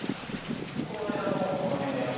この枝はもうその辺にある？